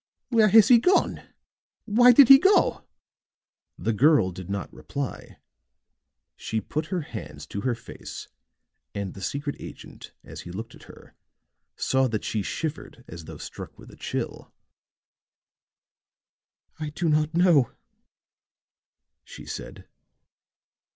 "Where has he gone? Why did he go?" The girl did not reply; she put her hands to her face, and the secret agent as he looked at her saw that she shivered as though struck with a chill. "I do not know," she said.